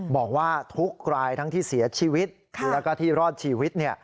บอกว่าทุกรายทั้งที่เสียชีวิตแล้วก็ที่รอดชีวิต